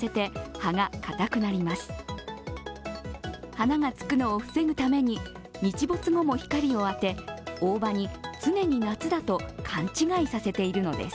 花がつくのを防ぐために日没後も光を当て大葉に常に夏だと勘違いさせているのです。